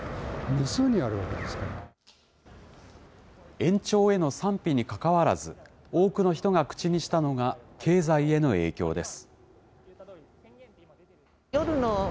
延長への賛否にかかわらず、多くの人が口にしたのが、経済への影響です。